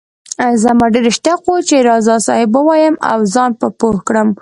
زما ډېر اشتياق وو چي راز صاحب ووايم او زان په پوهه کړم